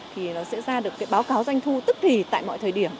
thì nó sẽ ra được cái báo cáo doanh thu tức thì tại mọi thời điểm